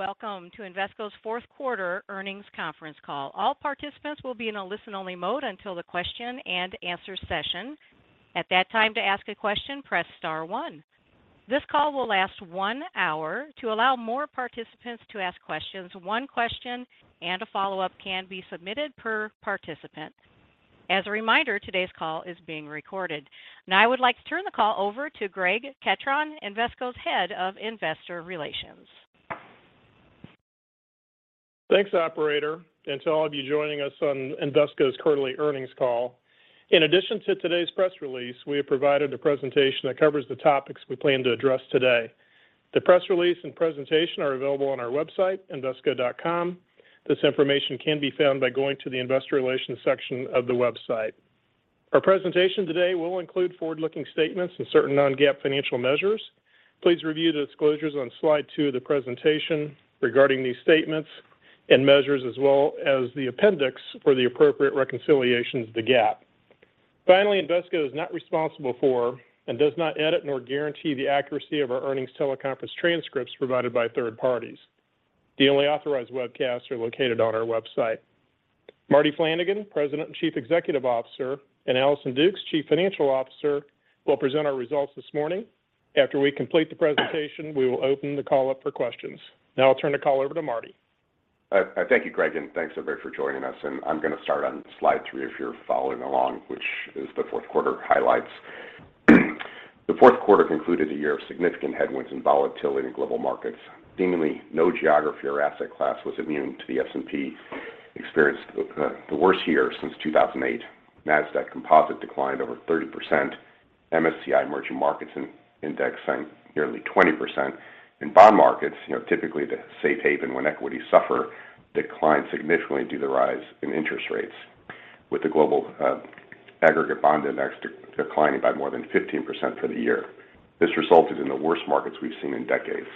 Welcome to Invesco's fourth quarter earnings conference call. All participants will be in a listen-only mode until the question and answer session. At that time, to ask a question, press star one. This call will last one hour. To allow more participants to ask questions, one question and a follow-up can be submitted per participant. As a reminder, today's call is being recorded. Now, I would like to turn the call over to Greg Ketron, Invesco's Head of Investor Relations. Thanks, operator, and to all of you joining us on Invesco's quarterly earnings call. In addition to today's press release, we have provided a presentation that covers the topics we plan to address today. The press release and presentation are available on our website, invesco.com. This information can be found by going to the Investor Relations section of the website. Our presentation today will include forward-looking statements and certain non-GAAP financial measures. Please review the disclosures on slide two of the presentation regarding these statements and measures as well as the appendix for the appropriate reconciliations of the GAAP. Finally, Invesco is not responsible for and does not edit nor guarantee the accuracy of our earnings teleconference transcripts provided by third parties. The only authorized webcasts are located on our website. Marty Flanagan, President and Chief Executive Officer, and Allison Dukes, Chief Financial Officer, will present our results this morning. After we complete the presentation, we will open the call up for questions. I'll turn the call over to Marty. Thank you, Greg, and thanks everybody for joining us. I'm going to start on slide 3 if you're following along, which is the fourth quarter highlights. The fourth quarter concluded a year of significant headwinds and volatility in global markets. Seemingly no geography or asset class was immune to the S&P experienced the worst year since 2008. Nasdaq Composite declined over 30%. MSCI Emerging Markets Index sank nearly 20%. In bond markets, you know, typically the safe haven when equities suffer, declined significantly due to the rise in interest rates. With the Global Aggregate Bond Index declining by more than 15% for the year. This resulted in the worst markets we've seen in decades.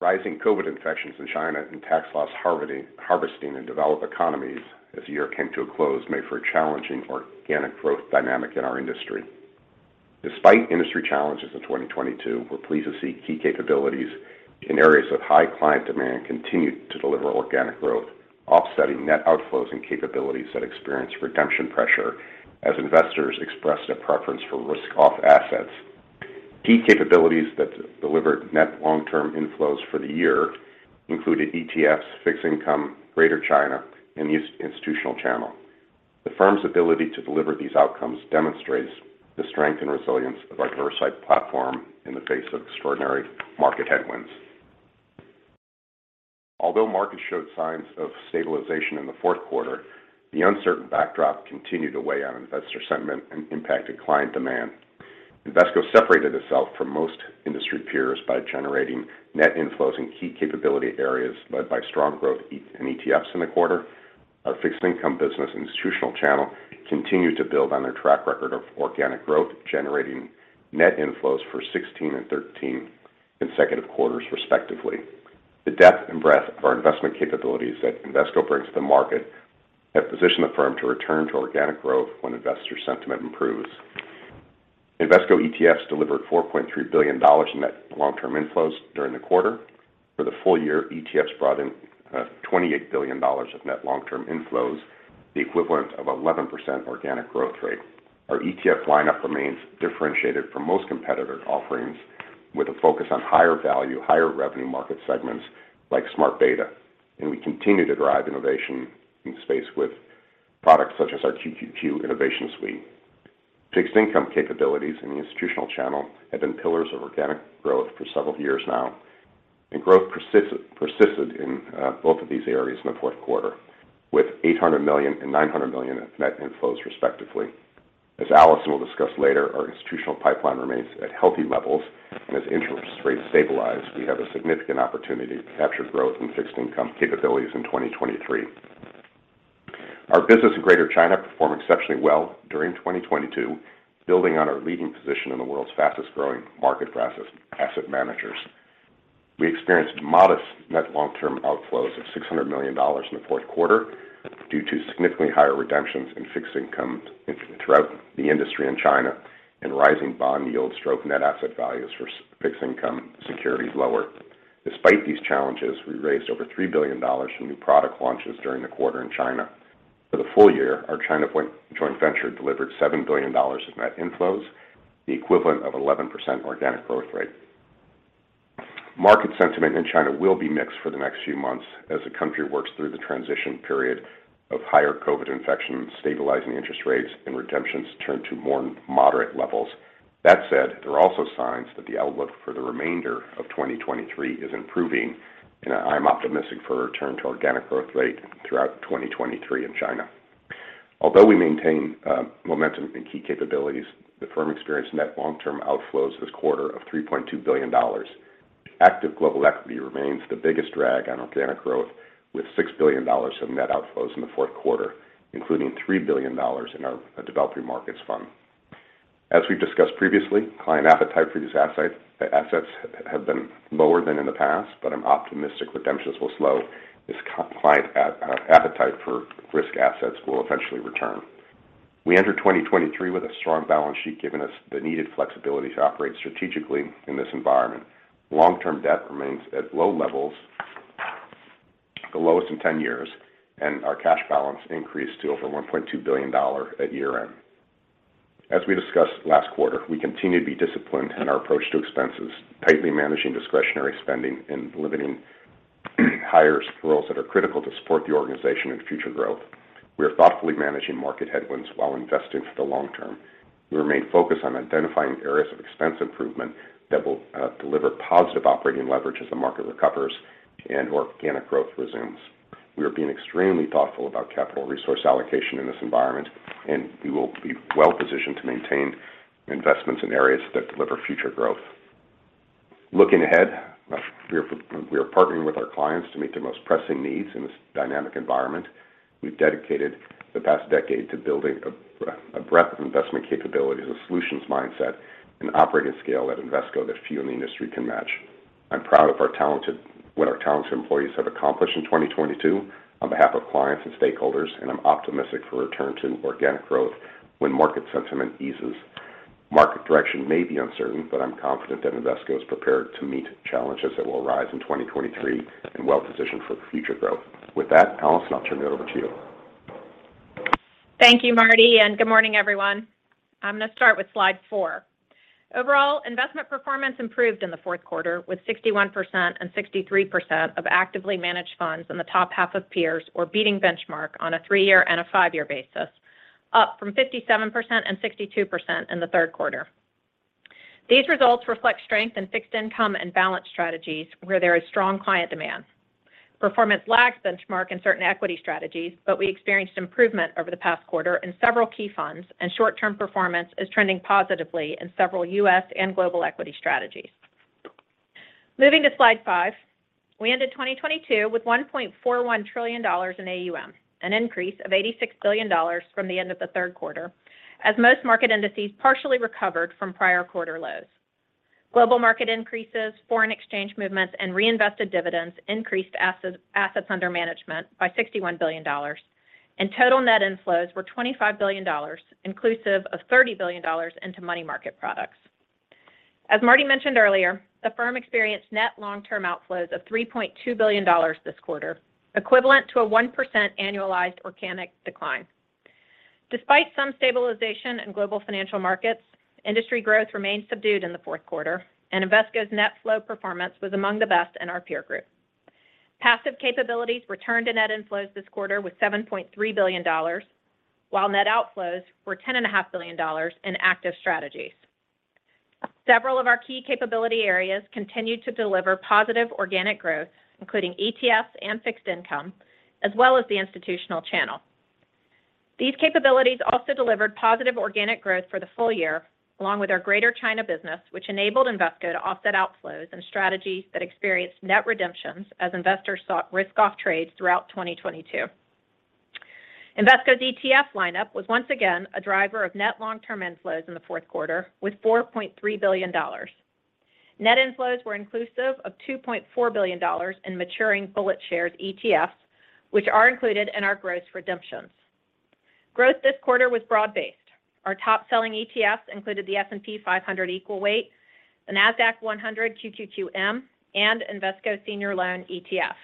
Rising COVID infections in China and tax loss harvesting in developed economies as the year came to a close made for a challenging organic growth dynamic in our industry. Despite industry challenges in 2022, we're pleased to see key capabilities in areas of high client demand continued to deliver organic growth, offsetting net outflows and capabilities that experienced redemption pressure as investors expressed a preference for risk-off assets. Key capabilities that delivered net long-term inflows for the year included ETFs, fixed income, Greater China, and the institutional channel. The firm's ability to deliver these outcomes demonstrates the strength and resilience of our diverse site platform in the face of extraordinary market headwinds. Although markets showed signs of stabilization in the fourth quarter, the uncertain backdrop continued to weigh on investor sentiment and impacted client demand. Invesco separated itself from most industry peers by generating net inflows in key capability areas led by strong growth in ETFs in the quarter. Our fixed income business institutional channel continued to build on their track record of organic growth, generating net inflows for 16 and 13 consecutive quarters, respectively. The depth and breadth of our investment capabilities that Invesco brings to the market have positioned the firm to return to organic growth when investor sentiment improves. Invesco ETFs delivered $4.3 billion in net long-term inflows during the quarter. For the full year, ETFs brought in $28 billion of net long-term inflows, the equivalent of 11% organic growth rate. Our ETF lineup remains differentiated from most competitor offerings with a focus on higher value, higher revenue market segments like smart beta, and we continue to drive innovation in the space with products such as our QQQ Innovation Suite. Fixed income capabilities in the institutional channel have been pillars of organic growth for several years now, and growth persisted in both of these areas in the fourth quarter, with $800 million and $900 million in net inflows, respectively. As Allison will discuss later, our institutional pipeline remains at healthy levels, and as interest rates stabilize, we have a significant opportunity to capture growth in fixed income capabilities in 2023. Our business in Greater China performed exceptionally well during 2022, building on our leading position in the world's fastest-growing market for asset managers. We experienced modest net long-term outflows of $600 million in the fourth quarter due to significantly higher redemptions in fixed income throughout the industry in China and rising bond yields drove net asset values for fixed income securities lower. Despite these challenges, we raised over $3 billion from new product launches during the quarter in China. For the full year, our China joint venture delivered $7 billion of net inflows, the equivalent of 11% organic growth rate. Market sentiment in China will be mixed for the next few months as the country works through the transition period of higher COVID infections, stabilizing interest rates, and redemptions turn to more moderate levels. That said, there are also signs that the outlook for the remainder of 2023 is improving, and I'm optimistic for a return to organic growth rate throughout 2023 in China. Although we maintain momentum in key capabilities, the firm experienced net long-term outflows this quarter of $3.2 billion. Active global equity remains the biggest drag on organic growth, with $6 billion of net outflows in the fourth quarter, including $3 billion in our Developing Markets Fund. As we've discussed previously, client appetite for these assets have been lower than in the past, but I'm optimistic redemptions will slow as client appetite for risk assets will eventually return. We enter 2023 with a strong balance sheet giving us the needed flexibility to operate strategically in this environment. Long-term debt remains at low levels, the lowest in 10 years, and our cash balance increased to over $1.2 billion at year-end. As we discussed last quarter, we continue to be disciplined in our approach to expenses, tightly managing discretionary spending and limiting hires to roles that are critical to support the organization and future growth. We are thoughtfully managing market headwinds while investing for the long term. We remain focused on identifying areas of expense improvement that will deliver positive operating leverage as the market recovers and organic growth resumes. We are being extremely thoughtful about capital resource allocation in this environment, and we will be well-positioned to maintain investments in areas that deliver future growth. Looking ahead, we are partnering with our clients to meet their most pressing needs in this dynamic environment. We've dedicated the past decade to building a breadth of investment capabilities, a solutions mindset, and operating scale at Invesco that few in the industry can match. I'm proud of what our talented employees have accomplished in 2022 on behalf of clients and stakeholders, and I'm optimistic for a return to organic growth when market sentiment eases. Market direction may be uncertain, but I'm confident that Invesco is prepared to meet challenges that will arise in 2023 and well-positioned for future growth. With that, Allison, I'll turn it over to you. Thank you, Marty. Good morning, everyone. I'm going to start with slide 4. Overall, investment performance improved in the fourth quarter, with 61% and 63% of actively managed funds in the top half of peers or beating benchmark on a 3-year and a 5-year basis, up from 57% and 62% in the third quarter. These results reflect strength in fixed income and balance strategies where there is strong client demand. Performance lagged benchmark in certain equity strategies. We experienced improvement over the past quarter in several key funds. Short-term performance is trending positively in several U.S. and global equity strategies. Moving to slide 5, we ended 2022 with $1.41 trillion in AUM, an increase of $86 billion from the end of the third quarter, as most market indices partially recovered from prior quarter lows. Global market increases, foreign exchange movements, and reinvested dividends increased assets under management by $61 billion. Total net inflows were $25 billion, inclusive of $30 billion into money market products. As Marty mentioned earlier, the firm experienced net long-term outflows of $3.2 billion this quarter, equivalent to a 1% annualized organic decline. Despite some stabilization in global financial markets, industry growth remained subdued in the fourth quarter. Invesco's net flow performance was among the best in our peer group. Passive capabilities returned to net inflows this quarter with $7.3 billion, while net outflows were ten and a half billion dollars in active strategies. Several of our key capability areas continued to deliver positive organic growth, including ETFs and fixed income, as well as the institutional channel. These capabilities also delivered positive organic growth for the full year, along with our Greater China business, which enabled Invesco to offset outflows and strategies that experienced net redemptions as investors sought risk-off trades throughout 2022. Invesco's ETF lineup was once again a driver of net long-term inflows in the fourth quarter, with $4.3 billion. Net inflows were inclusive of $2.4 billion in maturing BulletShares ETFs, which are included in our gross redemptions. Growth this quarter was broad-based. Our top-selling ETFs included the S&P 500 Equal Weight, the Nasdaq-100 QQQM, and Invesco Senior Loan ETF.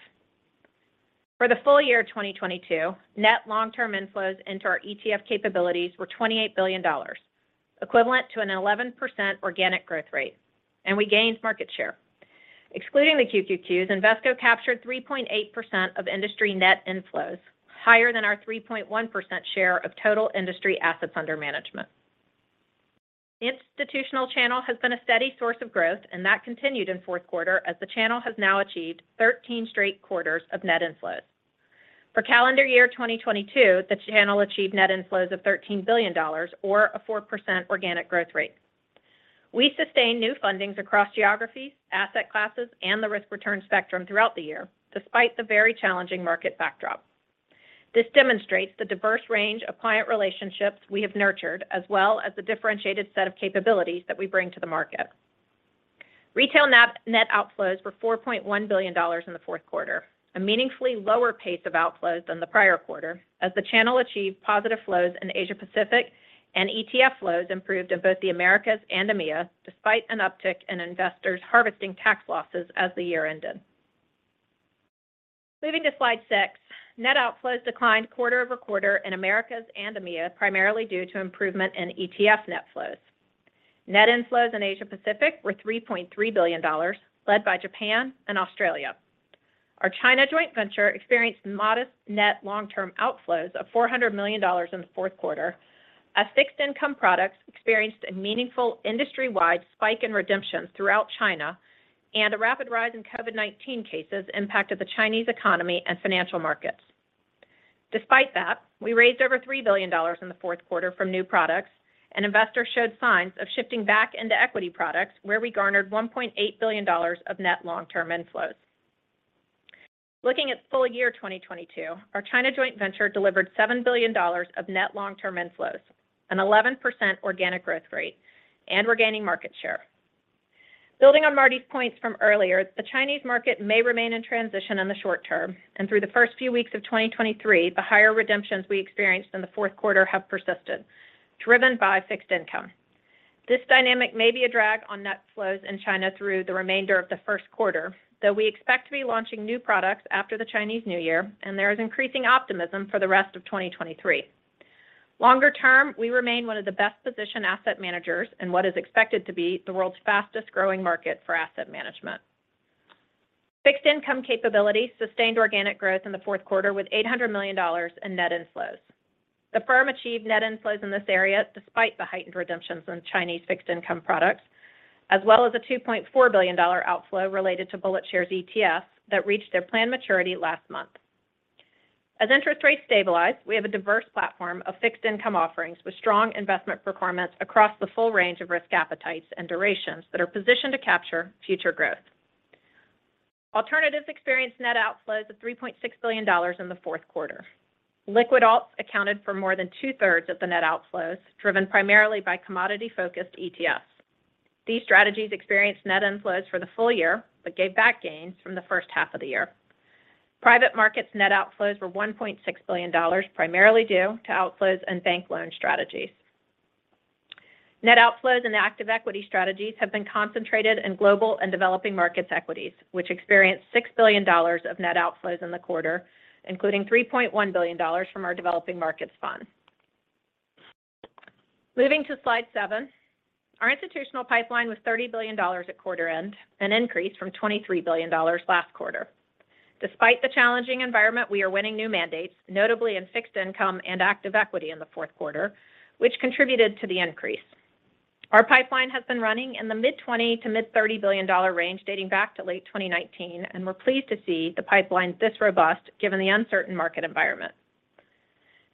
For the full year of 2022, net long-term inflows into our ETF capabilities were $28 billion, equivalent to an 11% organic growth rate, we gained market share. Excluding the QQQs, Invesco captured 3.8% of industry net inflows, higher than our 3.1% share of total industry assets under management. The institutional channel has been a steady source of growth. That continued in fourth quarter as the channel has now achieved 13 straight quarters of net inflows. For calendar year 2022, the channel achieved net inflows of $13 billion or a 4% organic growth rate. We sustained new fundings across geographies, asset classes, and the risk-return spectrum throughout the year, despite the very challenging market backdrop. This demonstrates the diverse range of client relationships we have nurtured, as well as the differentiated set of capabilities that we bring to the market. Retail net outflows were $4.1 billion in the fourth quarter, a meaningfully lower pace of outflows than the prior quarter, as the channel achieved positive flows in Asia-Pacific and ETF flows improved in both the Americas and EMEA, despite an uptick in investors harvesting tax losses as the year ended. Moving to slide 6, net outflows declined quarter-over-quarter in Americas and EMEA, primarily due to improvement in ETF net flows. Net inflows in Asia-Pacific were $3.3 billion, led by Japan and Australia. Our China joint venture experienced modest net long-term outflows of $400 million in the fourth quarter as fixed income products experienced a meaningful industry-wide spike in redemptions throughout China and a rapid rise in COVID-19 cases impacted the Chinese economy and financial markets. Despite that, we raised over $3 billion in the fourth quarter from new products, and investors showed signs of shifting back into equity products, where we garnered $1.8 billion of net long-term inflows. Looking at full year 2022, our China joint venture delivered $7 billion of net long-term inflows, an 11% organic growth rate, and we're gaining market share. Building on Marty's points from earlier, the Chinese market may remain in transition in the short term. Through the first few weeks of 2023, the higher redemptions we experienced in the fourth quarter have persisted, driven by fixed income. This dynamic may be a drag on net flows in China through the remainder of the first quarter, though we expect to be launching new products after the Chinese New Year, and there is increasing optimism for the rest of 2023. Longer term, we remain one of the best-positioned asset managers in what is expected to be the world's fastest-growing market for asset management. Fixed income capability sustained organic growth in the fourth quarter with $800 million in net inflows. The firm achieved net inflows in this area despite the heightened redemptions in Chinese fixed income products, as well as a $2.4 billion outflow related to BulletShares ETFs that reached their planned maturity last month. As interest rates stabilize, we have a diverse platform of fixed income offerings with strong investment performance across the full range of risk appetites and durations that are positioned to capture future growth. Alternatives experienced net outflows of $3.6 billion in the fourth quarter. Liquid alts accounted for more than two-thirds of the net outflows, driven primarily by commodity-focused ETFs. These strategies experienced net inflows for the full year but gave back gains from the first half of the year. Private markets net outflows were $1.6 billion, primarily due to outflows and bank loan strategies. Net outflows in active equity strategies have been concentrated in global and Developing Markets equities, which experienced $6 billion of net outflows in the quarter, including $3.1 billion from our Developing Markets Fund. Moving to slide 7. Our institutional pipeline was $30 billion at quarter end, an increase from $23 billion last quarter. Despite the challenging environment, we are winning new mandates, notably in fixed income and active equity in the fourth quarter, which contributed to the increase. Our pipeline has been running in the mid-$20 billion to mid-$30 billion range dating back to late 2019. We're pleased to see the pipeline this robust given the uncertain market environment.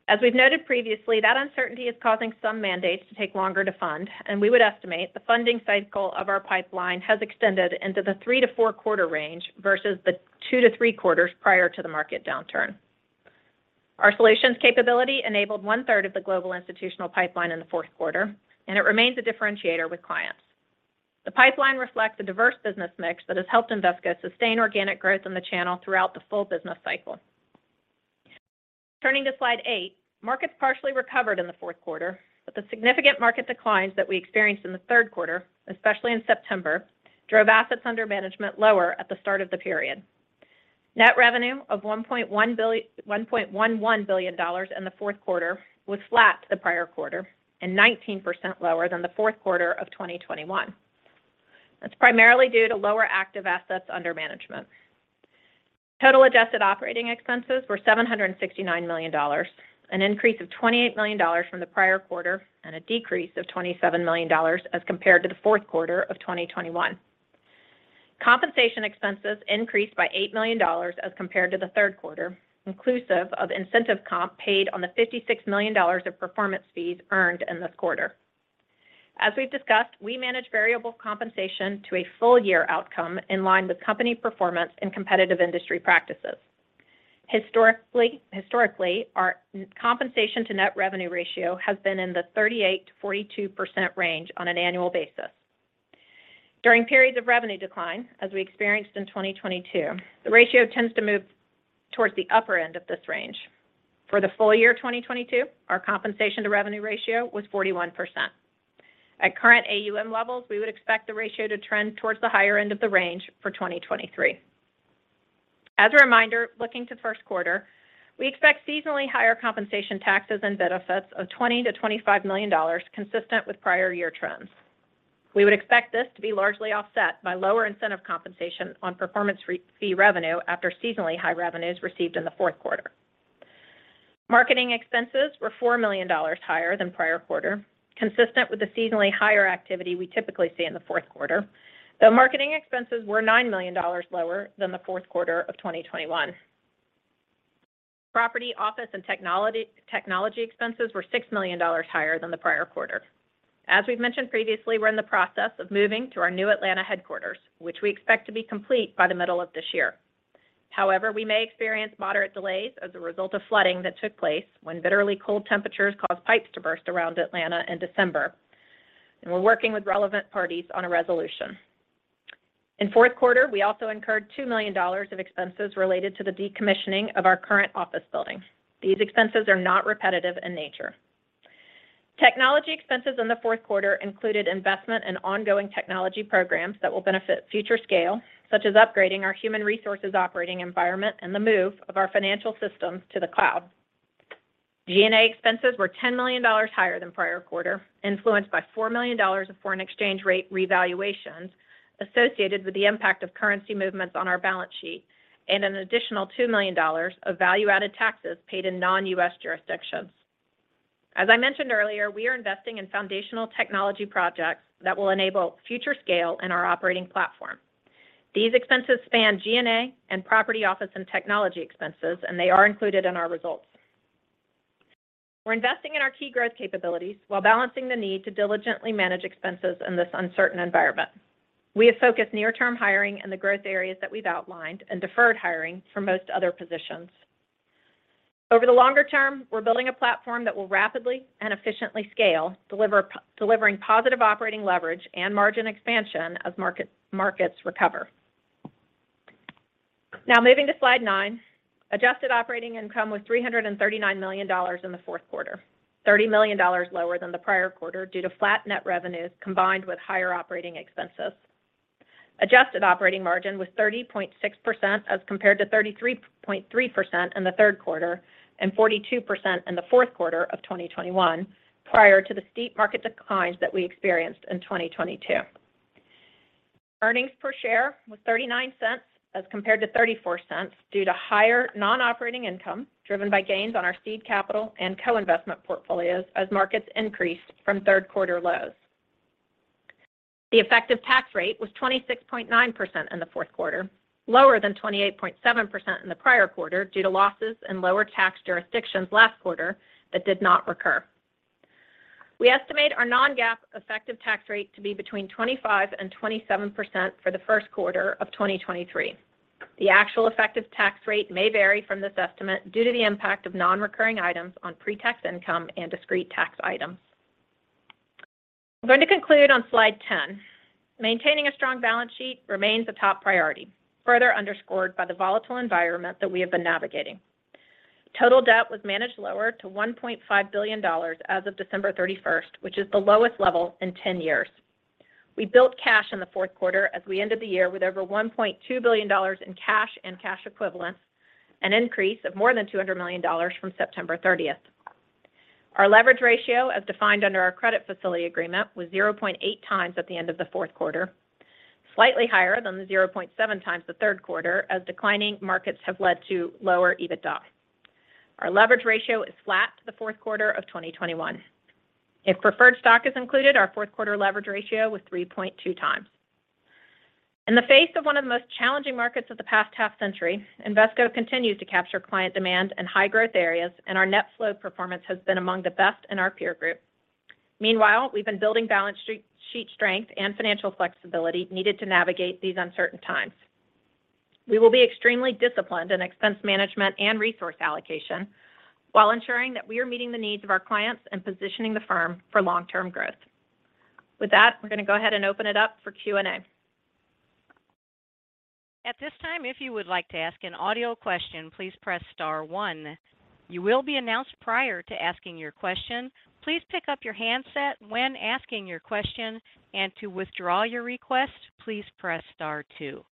As we've noted previously, that uncertainty is causing some mandates to take longer to fund. We would estimate the funding cycle of our pipeline has extended into the three to four-quarter range versus the two to three quarters prior to the market downturn. Our solutions capability enabled 1/3 of the global institutional pipeline in the fourth quarter. It remains a differentiator with clients. The pipeline reflects a diverse business mix that has helped Invesco sustain organic growth in the channel throughout the full business cycle. Turning to slide 8. Markets partially recovered in the fourth quarter. The significant market declines that we experienced in the third quarter, especially in September, drove assets under management lower at the start of the period. Net revenue of $1.11 billion in the fourth quarter was flat to the prior quarter and 19% lower than the fourth quarter of 2021. That's primarily due to lower active assets under management. Total adjusted operating expenses were $769 million, an increase of $28 million from the prior quarter and a decrease of $27 million as compared to the fourth quarter of 2021. Compensation expenses increased by $8 million as compared to the third quarter, inclusive of incentive comp paid on the $56 million of performance fees earned in this quarter. As we've discussed, we manage variable compensation to a full-year outcome in line with company performance and competitive industry practices. Historically, our compensation-to-net revenue ratio has been in the 38%-42% range on an annual basis. During periods of revenue decline, as we experienced in 2022, the ratio tends to move towards the upper end of this range. For the full year 2022, our compensation-to-revenue ratio was 41%. At current AUM levels, we would expect the ratio to trend towards the higher end of the range for 2023. As a reminder, looking to first quarter, we expect seasonally higher compensation taxes and benefits of $20 million-$25 million consistent with prior year trends. We would expect this to be largely offset by lower incentive compensation on performance fee revenue after seasonally high revenues received in the fourth quarter. Marketing expenses were $4 million higher than prior quarter, consistent with the seasonally higher activity we typically see in the fourth quarter, though marketing expenses were $9 million lower than the fourth quarter of 2021. Property, office, and technology expenses were $6 million higher than the prior quarter. We've mentioned previously, we're in the process of moving to our new Atlanta headquarters, which we expect to be complete by the middle of this year. We may experience moderate delays as a result of flooding that took place when bitterly cold temperatures caused pipes to burst around Atlanta in December, and we're working with relevant parties on a resolution. In fourth quarter, we also incurred $2 million of expenses related to the decommissioning of our current office building. These expenses are not repetitive in nature. Technology expenses in the fourth quarter included investment in ongoing technology programs that will benefit future scale, such as upgrading our human resources operating environment and the move of our financial systems to the cloud. G&A expenses were $10 million higher than prior quarter, influenced by $4 million of foreign exchange rate revaluations associated with the impact of currency movements on our balance sheet and an additional $2 million of value-added taxes paid in non-U.S. jurisdictions. I mentioned earlier, we are investing in foundational technology projects that will enable future scale in our operating platform. These expenses span G&A and property, office, and technology expenses, they are included in our results. We're investing in our key growth capabilities while balancing the need to diligently manage expenses in this uncertain environment. We have focused near-term hiring in the growth areas that we've outlined and deferred hiring for most other positions. Over the longer term, we're building a platform that will rapidly and efficiently scale, delivering positive operating leverage and margin expansion as markets recover. Moving to slide 9, adjusted operating income was $339 million in the fourth quarter, $30 million lower than the prior quarter due to flat net revenues combined with higher operating expenses. Adjusted operating margin was 30.6% as compared to 33.3% in the third quarter and 42% in the fourth quarter of 2021 prior to the steep market declines that we experienced in 2022. Earnings per share was $0.39 as compared to $0.34 due to higher non-operating income driven by gains on our seed capital and co-investment portfolios as markets increased from third quarter lows. The effective tax rate was 26.9% in the 4th quarter, lower than 28.7% in the prior quarter due to losses in lower tax jurisdictions last quarter that did not recur. We estimate our non-GAAP effective tax rate to be between 25% and 27% for the 1st quarter of 2023. The actual effective tax rate may vary from this estimate due to the impact of non-recurring items on pre-tax income and discrete tax items. I'm going to conclude on slide 10. Maintaining a strong balance sheet remains a top priority, further underscored by the volatile environment that we have been navigating. Total debt was managed lower to $1.5 billion as of December 31, which is the lowest level in 10 years. We built cash in the fourth quarter as we ended the year with over $1.2 billion in cash and cash equivalents, an increase of more than $200 million from September 30. Our leverage ratio, as defined under our credit facility agreement, was 0.8 times at the end of the fourth quarter, slightly higher than the 0.7 times the third quarter as declining markets have led to lower EBITDA. Our leverage ratio is flat to the fourth quarter of 2021. If preferred stock is included, our fourth quarter leverage ratio was 3.2x. In the face of one of the most challenging markets of the past half-century, Invesco continues to capture client demand in high-growth areas, and our net flow performance has been among the best in our peer group. Meanwhile, we've been building balance sheet strength and financial flexibility needed to navigate these uncertain times. We will be extremely disciplined in expense management and resource allocation while ensuring that we are meeting the needs of our clients and positioning the firm for long-term growth. With that, we're going to go ahead and open it up for Q&A. At this time, if you would like to ask an audio question, please press star one. You will be announced prior to asking your question. Please pick up your handset when asking your question. To withdraw your request, please press star two.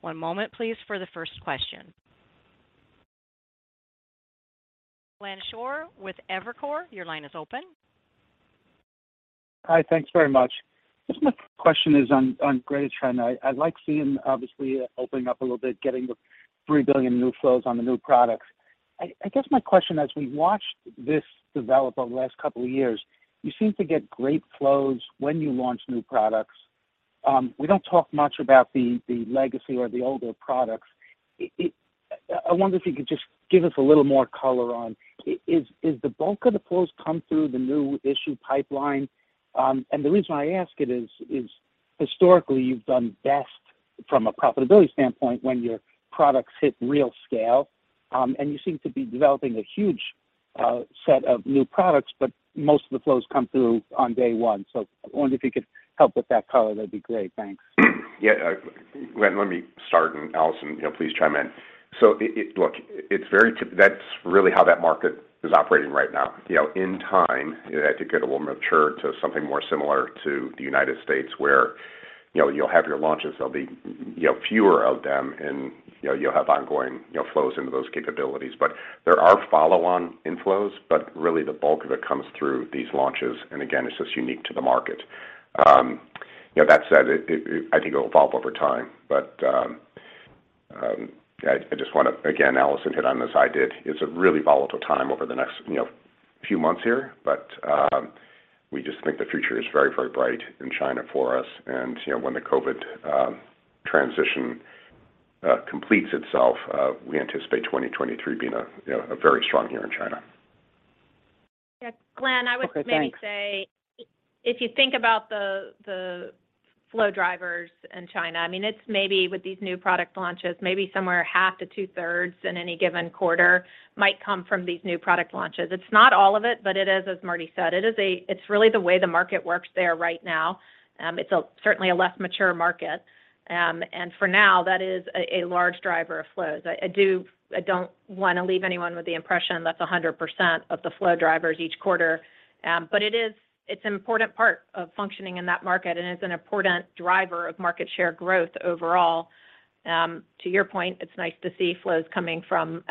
One moment, please, for the first question. Glenn Schorr with Evercore, your line is open. Hi. Thanks very much. I guess my question is on Greater China. I like seeing, obviously, it opening up a little bit, getting the $3 billion new flows on the new products. I guess my question, as we watched this develop over the last couple of years, you seem to get great flows when you launch new products. We don't talk much about the legacy or the older products. I wonder if you could just give us a little more color on, is the bulk of the flows come through the new issue pipeline? The reason why I ask it is historically, you've done best from a profitability standpoint when your products hit real scale, and you seem to be developing a huge set of new products, but most of the flows come through on day one. I wonder if you could help with that color. That'd be great. Thanks. Yeah. Glenn, let me start, and Allison, you know, please chime in. Look, That's really how that market is operating right now. You know, in time, it could get a little mature to something more similar to the United States, where, you know, you'll have your launches, there'll be, you know, fewer of them and, you know, you'll have ongoing, you know, flows into those capabilities. There are follow-on inflows, but really the bulk of it comes through these launches. Again, it's just unique to the market. You know, that said, it, I think it will evolve over time. I just want to, again, Allison hit on this, I did. It's a really volatile time over the next, you know, few months here. We just think the future is very, very bright in China for us. You know, when the COVID transition completes itself, we anticipate 2023 being a, you know, a very strong year in China. Yeah. Glenn. Okay. Thanks... maybe say if you think about the flow drivers in China. I mean, it's maybe with these new product launches, maybe somewhere half to two-thirds in any given quarter might come from these new product launches. It's not all of it, but it is, as Marty said, it's really the way the market works there right now. It's certainly a less mature market. For now, that is a large driver of flows. I don't want to leave anyone with the impression that's 100% of the flow drivers each quarter. It is, it's an important part of functioning in that market, and it's an important driver of market share growth overall. To your point, it's nice to see flows coming from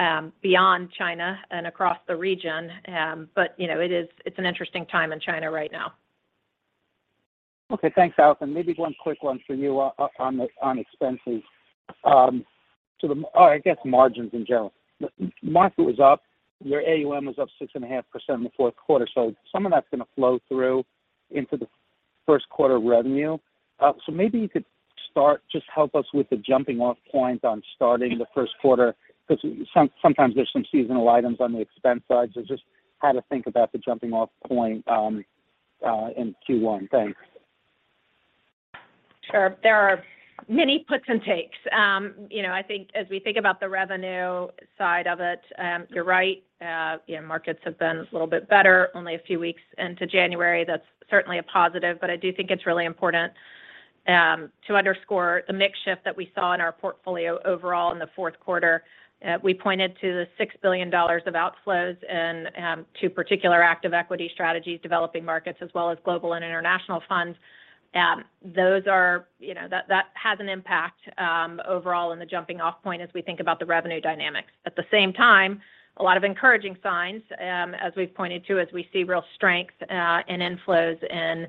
beyond China and across the region. You know, it's an interesting time in China right now. Okay. Thanks, Allison. Maybe one quick one for you on the, on expenses, or I guess margins in general. The market was up. Your AUM was up 6.5% in the fourth quarter. Some of that's going to flow through into the first quarter revenue. Maybe you could start, just help us with the jumping off point on starting the first quarter, 'cause sometimes there's some seasonal items on the expense side. Just how to think about the jumping off point in Q1. Thanks. Sure. There are many puts and takes. You know, I think as we think about the revenue side of it, you're right. You know, markets have been a little bit better only a few weeks into January. That's certainly a positive. I do think it's really important to underscore the mix shift that we saw in our portfolio overall in the fourth quarter. We pointed to the $6 billion of outflows and two particular active equity strategies, Developing Markets as well as global and international funds. You know, that has an impact overall in the jumping off point as we think about the revenue dynamics. At the same time, a lot of encouraging signs, as we've pointed to, as we see real strength in inflows in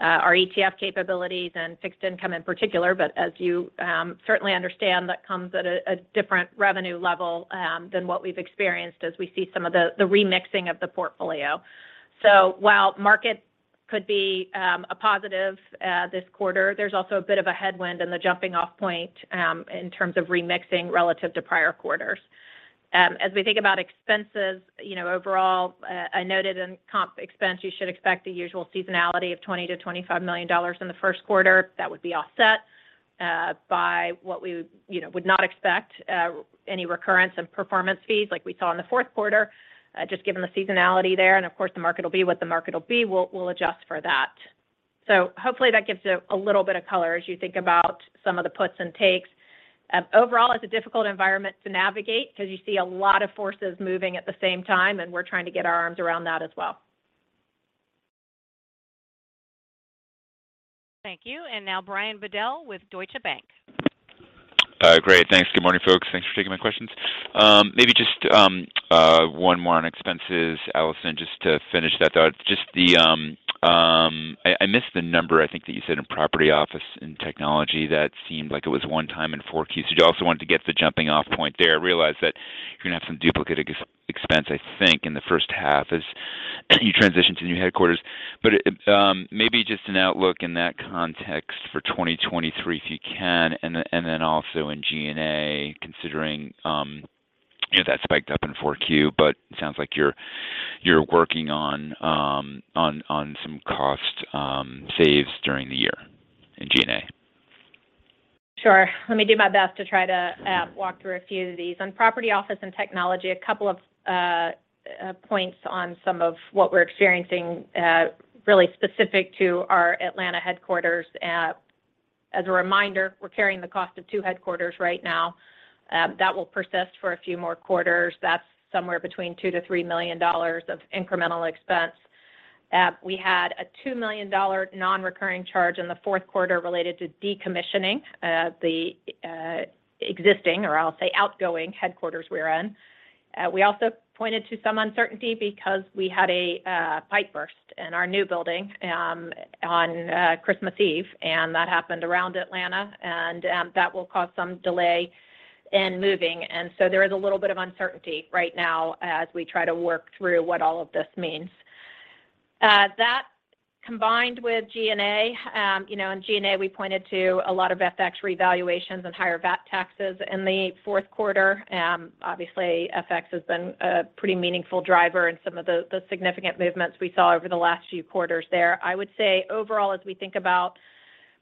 our ETF capabilities and fixed income in particular. As you certainly understand, that comes at a different revenue level than what we've experienced as we see some of the remixing of the portfolio. While market could be a positive this quarter, there's also a bit of a headwind in the jumping off point in terms of remixing relative to prior quarters. As we think about expenses, you know, overall, I noted in comp expense, you should expect the usual seasonality of $20 million–$25 million in the first quarter. That would be offset by what we, you know, would not expect any recurrence in performance fees like we saw in the fourth quarter, just given the seasonality there and of course, the market will be what the market will be. We'll adjust for that. Hopefully that gives a little bit of color as you think about some of the puts and takes. Overall, it's a difficult environment to navigate 'cause you see a lot of forces moving at the same time, and we're trying to get our arms around that as well. Thank you. Now Brian Bedell with Deutsche Bank. Great. Thanks. Good morning, folks. Thanks for taking my questions. Maybe just one more on expenses, Allison, just to finish that thought. Just the I missed the number, I think that you said in property, office and technology, that seemed like it was one-time in four quarters. Did you also want to get the jumping off point there? I realize that you're going to have some duplicative expense, I think, in the first half as you transition to new headquarters. Maybe just an outlook in that context for 2023, if you can. Then also in G&A, considering, you know, that spiked up in 4Q, but it sounds like you're working on some cost saves during the year in G&A. Sure. Let me do my best to try to walk through a few of these. On property, office, and technology, a couple of points on some of what we're experiencing really specific to our Atlanta headquarters. As a reminder, we're carrying the cost of two headquarters right now. That will persist for a few more quarters. That's somewhere between $2 million–$3 million of incremental expense. We had a $2 million non-recurring charge in the fourth quarter related to decommissioning the existing, or I'll say outgoing headquarters we're in. We also pointed to some uncertainty because we had a pipe burst in our new building on Christmas Eve, and that happened around Atlanta. That will cause some delay in moving. There is a little bit of uncertainty right now as we try to work through what all of this means. That combined with G&A, you know, in G&A, we pointed to a lot of FX revaluations and higher VAT taxes in the fourth quarter. Obviously, FX has been a pretty meaningful driver in some of the significant movements we saw over the last few quarters there. I would say overall, as we think about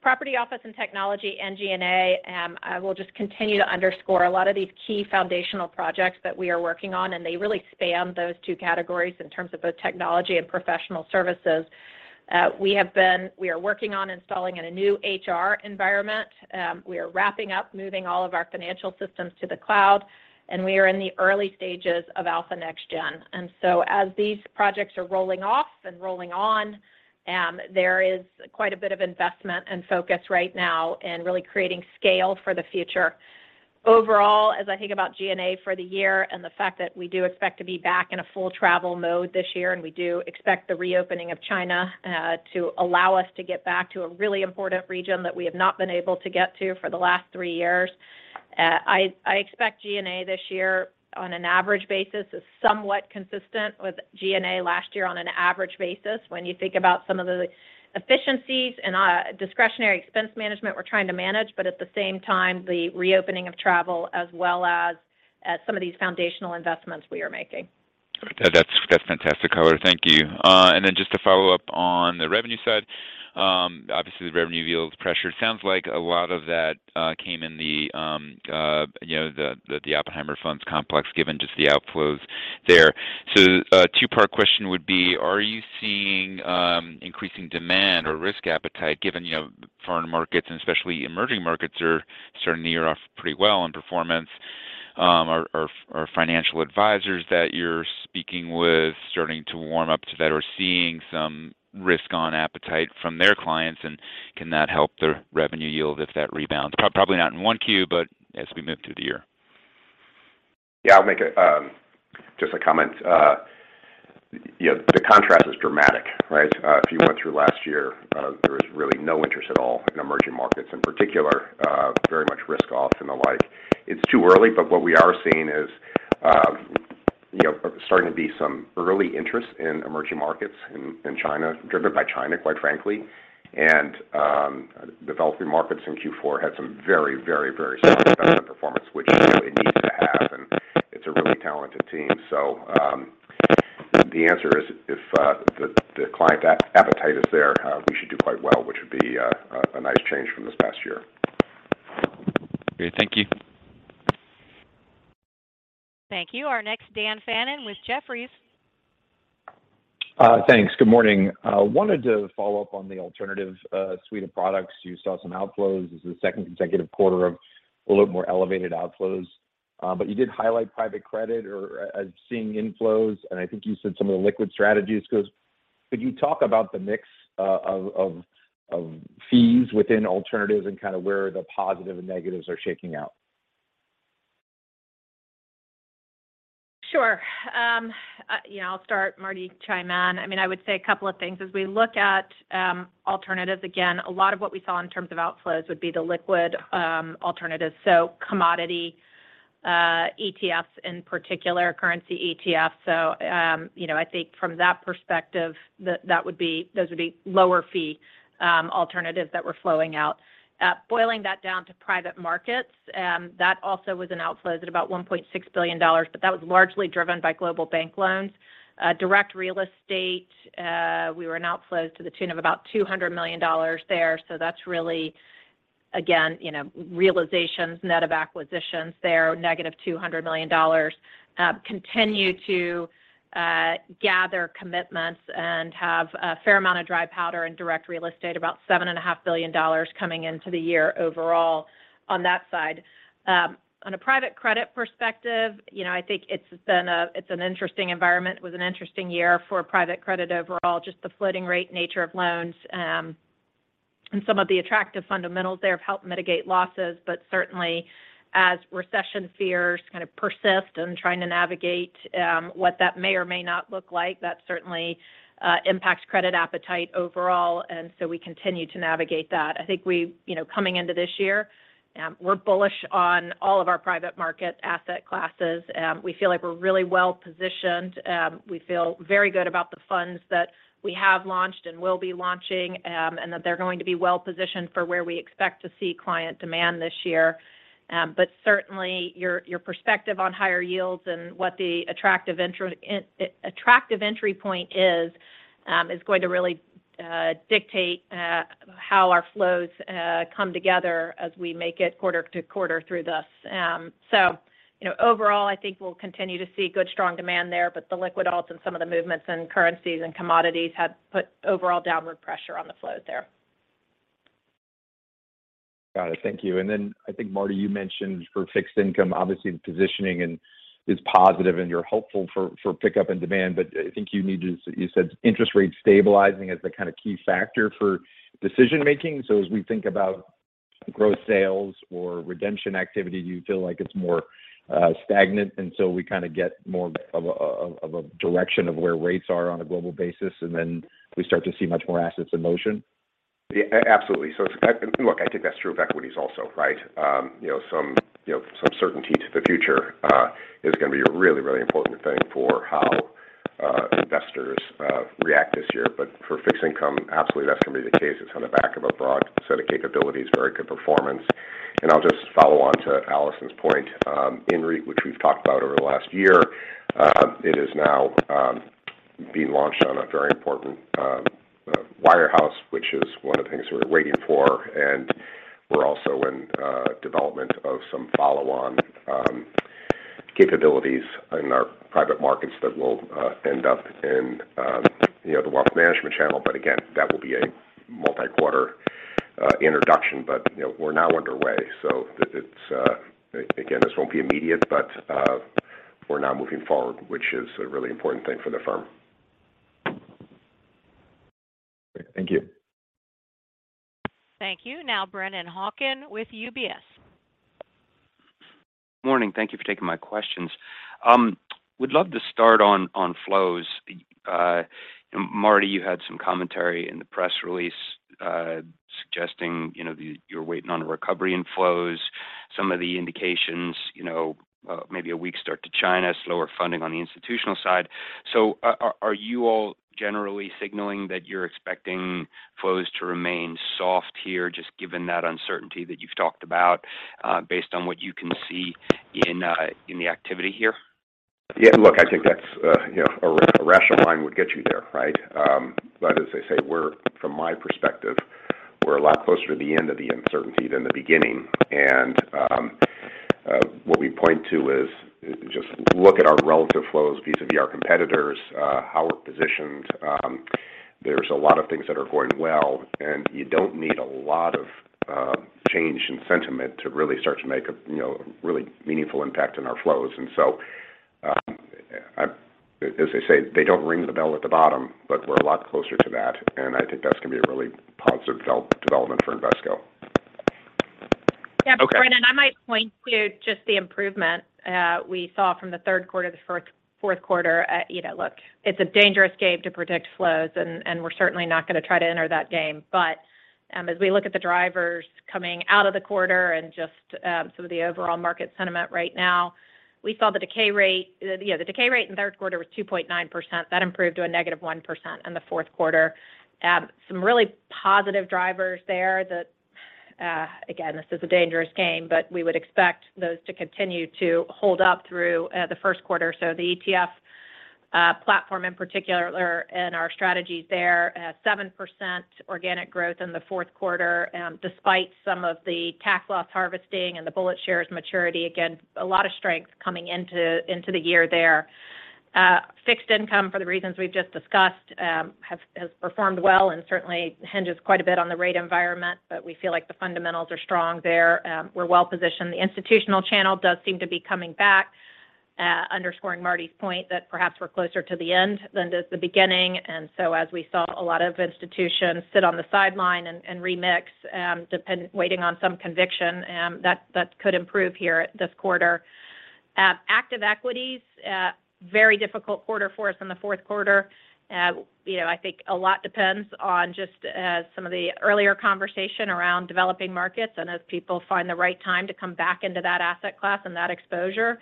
property, office, and technology and G&A, I will just continue to underscore a lot of these key foundational projects that we are working on, and they really span those two categories in terms of both technology and professional services. We are working on installing in a new HR environment. We are wrapping up moving all of our financial systems to the cloud, and we are in the early stages of Alpha Next Gen. As these projects are rolling off and rolling on, there is quite a bit of investment and focus right now in really creating scale for the future. Overall, as I think about G&A for the year and the fact that we do expect to be back in a full travel mode this year, and we do expect the reopening of China to allow us to get back to a really important region that we have not been able to get to for the last three years. I expect G&A this year on an average basis, is somewhat consistent with G&A last year on an average basis when you think about some of the efficiencies and discretionary expense management we're trying to manage. At the same time, the reopening of travel as well as some of these foundational investments we are making. That's fantastic color. Thank you. Then just to follow up on the revenue side. Obviously, the revenue yield is pressured. Sounds like a lot of that came in the, you know, the OppenheimerFunds complex, given just the outflows there. A two-part question would be, are you seeing increasing demand or risk appetite, given, you know, foreign markets and especially emerging markets are starting to year off pretty well in performance? Are financial advisors that you're speaking with starting to warm up to that or seeing some risk on appetite from their clients? Can that help the revenue yield if that rebounds? Probably not in 1Q, but as we move through the year. Yeah, I'll make, just a comment. You know, the contrast is dramatic, right? If you went through last year, there was really no interest at all in emerging markets, in particular, very much risk off and the like. It's too early, but what we are seeing is, you know, starting to be some early interest in emerging markets in China, driven by China, quite frankly. Developing markets in Q4 had some very strong relative performance, which is really needed. It's a really talented team. The answer is if the client appetite is there, we should do quite well, which would be a nice change from this past year. Great. Thank you. Thank you. Our next Dan Fannon with Jefferies. Thanks. Good morning. I wanted to follow up on the alternative suite of products. You saw some outflows. This is the second consecutive quarter of a little more elevated outflows. You did highlight private credit or seeing inflows, and I think you said some of the liquid strategies goes. Could you talk about the mix of fees within alternatives and kind of where the positive and negatives are shaking out? Sure. you know, I'll start. Marty, chime in. I mean, I would say a couple of things. As we look at alternatives, again, a lot of what we saw in terms of outflows would be the liquid alternatives. Commodity ETFs, in particular currency ETFs. You know, I think from that perspective, those would be lower fee alternatives that were flowing out. Boiling that down to private markets, that also was an outflows at about $1.6 billion, but that was largely driven by global bank loans. Direct real estate, we were in outflows to the tune of about $200 million there. That's really, again, you know, realizations net of acquisitions there, -$200 million. Continue to gather commitments and have a fair amount of dry powder and direct real estate, about $7.5 billion coming into the year overall on that side. On a private credit perspective, you know, I think it's been an interesting environment. It was an interesting year for private credit overall. Just the floating rate nature of loans, and some of the attractive fundamentals there have helped mitigate losses. Certainly as recession fears kind of persist and trying to navigate what that may or may not look like, that certainly impacts credit appetite overall. We continue to navigate that. I think we, you know, coming into this year, we're bullish on all of our private market asset classes. We feel like we're really well-positioned. We feel very good about the funds that we have launched and will be launching, and that they're going to be well-positioned for where we expect to see client demand this year. Certainly your perspective on higher yields and what the attractive entry point is going to really dictate how our flows come together as we make it quarter to quarter through this. You know, overall, I think we'll continue to see good, strong demand there. The liquid alts and some of the movements in currencies and commodities have put overall downward pressure on the flows there. Got it. Thank you. I think, Marty, you mentioned for fixed income, obviously the positioning and is positive and you're hopeful for pickup and demand, but I think you said interest rates stabilizing as the kind of key factor for decision-making. As we think about gross sales or redemption activity, do you feel like it's more stagnant, and so we kind of get more of a direction of where rates are on a global basis, and then we start to see much more assets in motion? Yeah. Absolutely. Look, I think that's true of equities also, right? You know, some, you know, some certainty to the future is going to be a really, really important thing for how investors react this year. For fixed income, absolutely, that's going to be the case. It's on the back of a broad set of capabilities, very good performance. I'll just follow on to Allison's point. Which we've talked about over the last year, it is now being launched on a very important wirehouse, which is one of the things we're waiting for. We're also in development of some follow-on capabilities in our private markets that will end up in, you know, the wealth management channel. Again, that will be a multi-quarter introduction. You know, we're now underway, so it's again, this won't be immediate, but we're now moving forward, which is a really important thing for the firm. Great. Thank you. Thank you. Now Brennan Hawken with UBS. Morning. Thank you for taking my questions. Would love to start on flows. Marty, you had some commentary in the press release, suggesting, you know, you're waiting on a recovery in flows. Some of the indications, you know, maybe a weak start to China, slower funding on the institutional side. Are you all generally signaling that you're expecting flows to remain soft here, just given that uncertainty that you've talked about, based on what you can see in the activity here? Yeah, look, I think that's, you know, a rational mind would get you there, right? As I say, we're from my perspective, we're a lot closer to the end of the uncertainty than the beginning. What we point to is just look at our relative flows vis-à-vis our competitors, how we're positioned. There's a lot of things that are going well, and you don't need a lot of change in sentiment to really start to make a, you know, really meaningful impact in our flows. As they say, they don't ring the bell at the bottom, but we're a lot closer to that, and I think that's going to be a really positive development for Invesco. Okay. Yeah. Brennan, I might point to just the improvement we saw from the third quarter to fourth quarter. You know, look, it's a dangerous game to predict flows, and we're certainly not going to try to enter that game. As we look at the drivers coming out of the quarter and just some of the overall market sentiment right now, we saw the decay rate. You know, the decay rate in the third quarter was 2.9%. That improved to a negative 1% in the fourth quarter. Some really positive drivers there. Again, this is a dangerous game, but we would expect those to continue to hold up through the first quarter. The ETF platform in particular and our strategies there at 7% organic growth in the fourth quarter, despite some of the tax loss harvesting and the BulletShares maturity. Again, a lot of strength coming into the year there. Fixed income, for the reasons we've just discussed, has performed well and certainly hinges quite a bit on the rate environment, but we feel like the fundamentals are strong there. We're well-positioned. The institutional channel does seem to be coming back, underscoring Marty's point that perhaps we're closer to the end than the beginning. As we saw a lot of institutions sit on the sideline and remix, waiting on some conviction, that could improve here this quarter. Active equities, very difficult quarter for us in the fourth quarter. You know, I think a lot depends on just some of the earlier conversation around developing markets and as people find the right time to come back into that asset class and that exposure,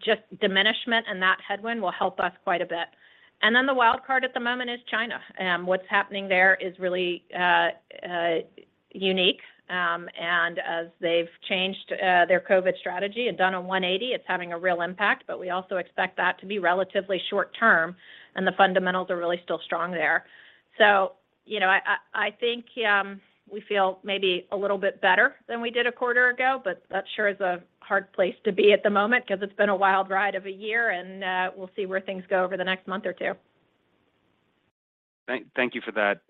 just diminishment in that headwind will help us quite a bit. The wild card at the moment is China. What's happening there is really unique. As they've changed their COVID strategy and done a 180, it's having a real impact. We also expect that to be relatively short term, and the fundamentals are really still strong there. You know, I think we feel maybe a little bit better than we did a quarter ago, but that sure is a hard place to be at the moment because it's been a wild ride of a year, and we'll see where things go over the next month or two. Thank you for that,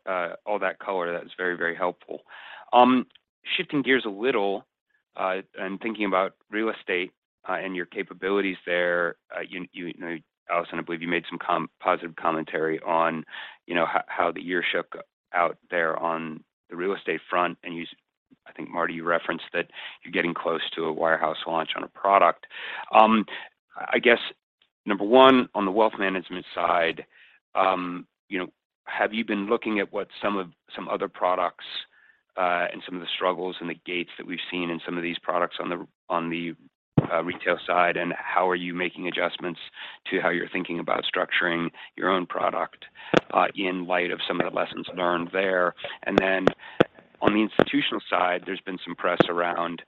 all that color. That was very, very helpful. Shifting gears a little, and thinking about real estate, and your capabilities there. You know, Allison, I believe you made some positive commentary on, you know, how the year shook out there on the real estate front. I think, Marty, you referenced that you're getting close to a wirehouse launch on a product. I guess, number one, on the wealth management side, you know, have you been looking at what some other products, and some of the struggles and the gates that we've seen in some of these products on the retail side? How are you making adjustments to how you're thinking about structuring your own product, in light of some of the lessons learned there? On the institutional side, there's been some press around,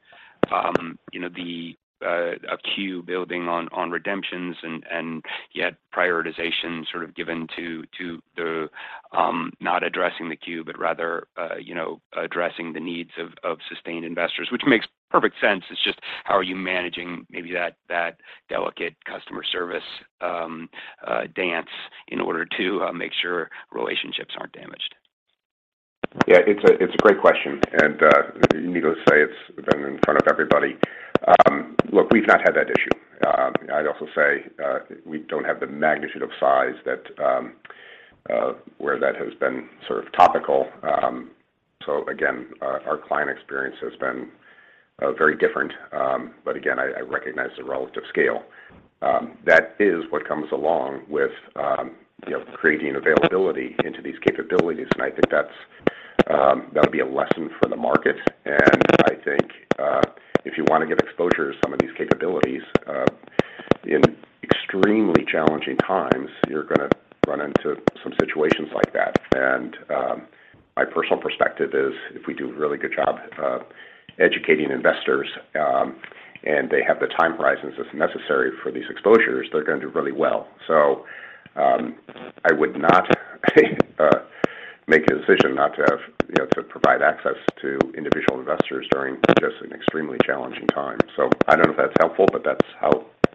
you know, the, a queue building on redemptions and yet prioritization sort of given to the, not addressing the queue, but rather, you know, addressing the needs of sustained investors, which makes perfect sense. It's just how are you managing maybe that delicate customer service dance in order to make sure relationships aren't damaged? Yeah, it's a, it's a great question. Needless to say, it's been in front of everybody. Look, we've not had that issue. I'd also say, we don't have the magnitude of size that where that has been sort of topical. Again, our client experience has been very different. But again, I recognize the relative scale. That is what comes along with, you know, creating availability into these capabilities. I think that's, that'll be a lesson for the market. I think, if you want to get exposure to some of these capabilities, in extremely challenging times, you're going to run into some situations like that. My personal perspective is if we do a really good job of educating investors, and they have the time horizons that's necessary for these exposures, they're going to do really well. I would not make a decision not to have, you know, to provide access to individual investors during just an extremely challenging time. I don't know if that's helpful, but that's how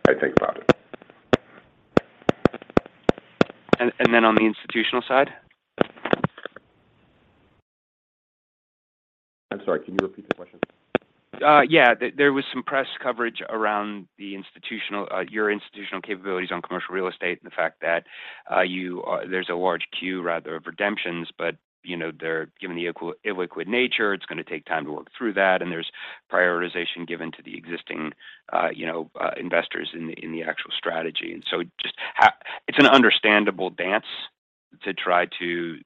I think about it. Then on the institutional side? I'm sorry, can you repeat the question? Yeah. There, there was some press coverage around your institutional capabilities on commercial real estate and the fact that there's a large queue rather of redemptions, but, you know, they're given the illiquid nature, it's going to take time to work through that, and there's prioritization given to the existing, you know, investors in the actual strategy. It's an understandable dance to try to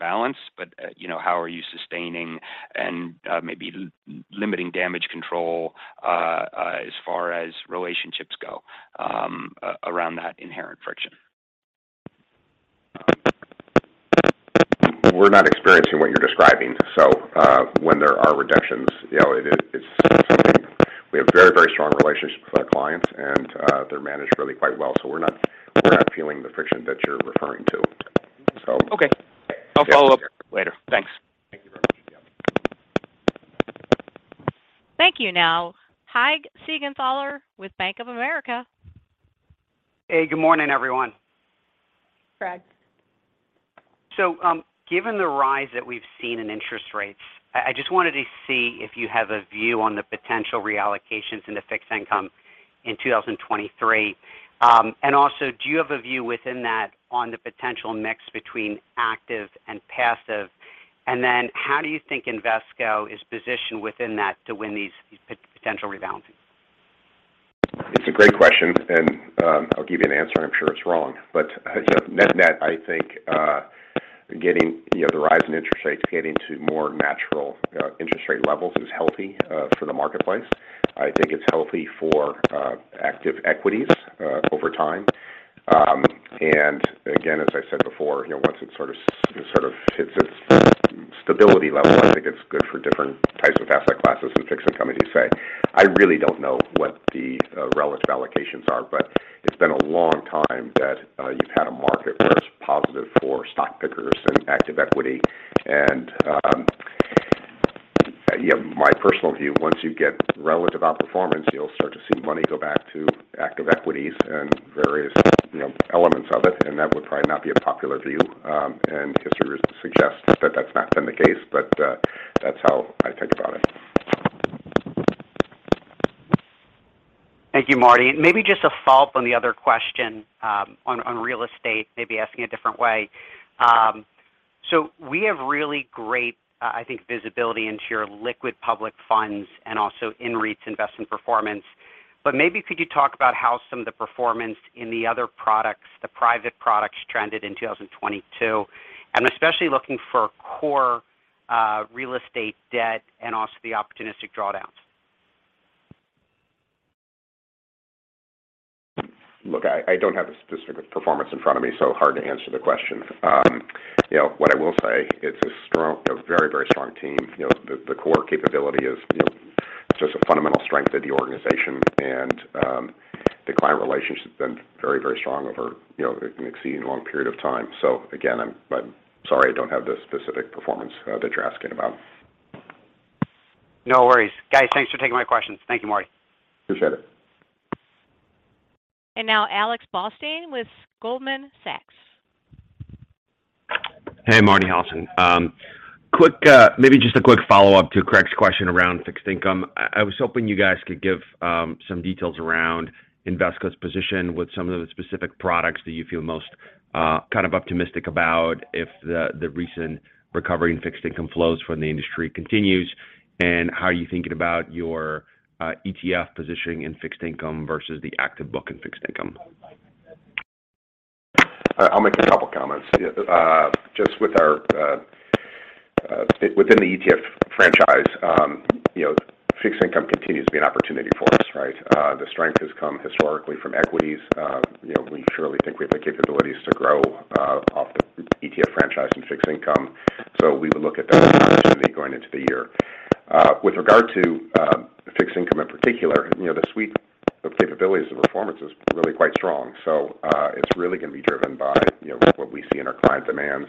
balance, but, you know, how are you sustaining and maybe limiting damage control as far as relationships go around that inherent friction? We're not experiencing what you're describing. When there are redemptions, you know, it's something. We have very strong relationships with our clients and they're managed really quite well. We're not feeling the friction that you're referring to. Okay. I'll follow up later. Thanks. Thank you very much. Yeah. Thank you. Now, Craig Siegenthaler with Bank of America. Hey, good morning, everyone. Craig. Given the rise that we've seen in interest rates, I just wanted to see if you have a view on the potential reallocations in the fixed income in 2023. Do you have a view within that on the potential mix between active and passive? How do you think Invesco is positioned within that to win these potential rebalances? It's a great question, and, I'll give you an answer. I'm sure it's wrong. You know, net net, I think, getting, you know, the rise in interest rates getting to more natural, interest rate levels is healthy for the marketplace. I think it's healthy for active equities over time. Again, as I said before, you know, once it sort of hits its stability level, I think it's good for different types of asset classes and fixed income, as you say. I really don't know what the relative allocations are, but it's been a long time that you've had a market where it's positive for stock pickers and active equity. Yeah, my personal view, once you get relative outperformance, you'll start to see money go back to active equities and various, you know, elements of it, and that would probably not be a popular view. History suggests that that's not been the case, but that's how I think about it. Thank you, Marty. Maybe just a follow-up on the other question, on real estate, maybe asking a different way. We have really great, I think, visibility into your liquid public funds and also in REITs investment performance. Maybe could you talk about how some of the performance in the other products, the private products trended in 2022? I'm especially looking for core, real estate debt and also the opportunistic drawdowns. Look, I don't have the specific performance in front of me, hard to answer the question. You know, what I will say, it's a very strong team. You know, the core capability is, you know, just a fundamental strength of the organization. The client relationship has been very strong over, you know, an exceedingly long period of time. Again, I'm sorry I don't have the specific performance that you're asking about. No worries. Guys, thanks for taking my questions. Thank you, Marty. Appreciate it. Now Alexander Blostein with Goldman Sachs. Hey, Marty, Allison. quick, maybe just a quick follow-up to Craig's question around fixed income. I was hoping you guys could give some details around Invesco's position with some of the specific products that you feel most kind of optimistic about if the recent recovery in fixed income flows from the industry continues. How are you thinking about your ETF positioning in fixed income versus the active book in fixed income? I'll make a couple comments. Just with our within the ETF franchise, you know, fixed income continues to be an opportunity for us, right? The strength has come historically from equities. You know, we surely think we have the capabilities to grow off the ETF franchise in fixed income. We would look at that as an opportunity going into the year. With regard to fixed income in particular, you know, the suite of capabilities, the performance is really quite strong. It's really going to be driven by, you know, what we see in our client demands.